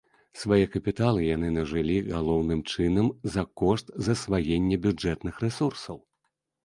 Свае капіталы яны нажылі галоўным чынам за кошт засваення бюджэтных рэсурсаў.